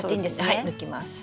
はい抜きます。